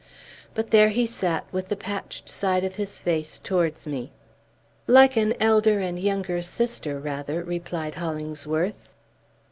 But there he sat, with the patched side of his face towards me. "Like an elder and younger sister, rather," replied Hollingsworth.